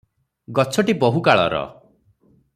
ଗଛଟି ବହୁକାଳର ।